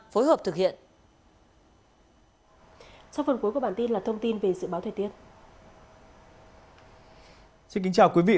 phối hợp thực hiện sau phần cuối của bản tin là thông tin về dự báo thời tiết xin kính chào quý vị